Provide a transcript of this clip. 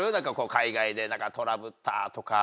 海外でトラブったとか。